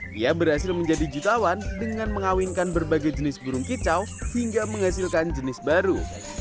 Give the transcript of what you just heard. dia berhasil menjadi jutawan dengan mengawinkan berbagai jenis burung kicau hingga menghasilkan jenis baru